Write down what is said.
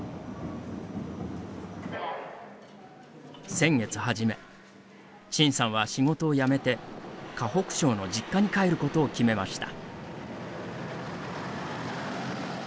先月初め、陳さんは仕事を辞めて河北省の実家に帰ることを決めました。